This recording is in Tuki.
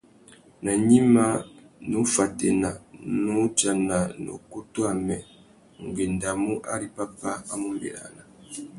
Nà gnïmá, nnú fatēna, nnú udjana na ukutu amê: ngu endamú ari pápá a mú bérana.